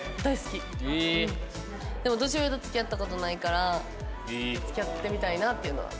でも年上と付き合った事ないから付き合ってみたいなっていうのは。